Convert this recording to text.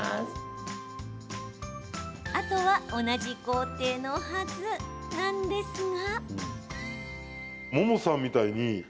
あとは同じ工程のはずなんですが。